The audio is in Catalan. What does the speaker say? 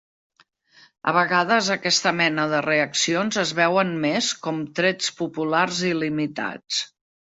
A vegades aquesta mena de reaccions es veuen més com trets populars il·limitats.